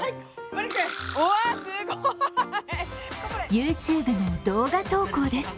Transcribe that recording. ＹｏｕＴｕｂｅの動画投稿です。